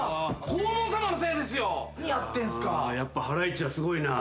やっぱハライチはすごいな。